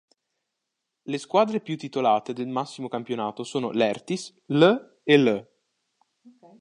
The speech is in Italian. Le squadra più titolate del massimo campionato sono l'Ertis, l' e l'.